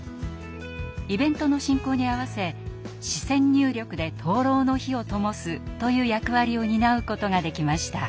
イベントの進行に合わせ視線入力で灯籠の火をともすという役割を担うことができました。